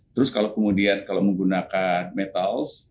terus kalau kemudian kalau menggunakan metal